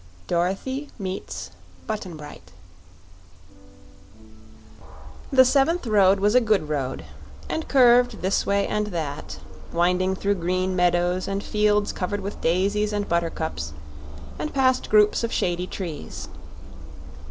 2. Dorothy Meets Button Bright The seventh road was a good road, and curved this way and that winding through green meadows and fields covered with daisies and buttercups and past groups of shady trees.